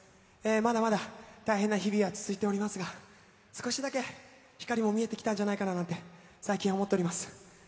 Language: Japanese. まだまだ大変な日々は続いておりますが少しだけ、光も見えてきたんじゃないかって最近思っております。